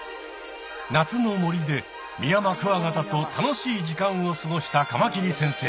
夏の森でミヤマクワガタと楽しい時間を過ごしたカマキリ先生。